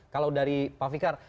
kalau dari pak fikar